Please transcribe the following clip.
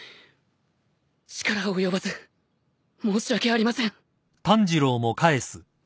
力及ばず申し訳ありません。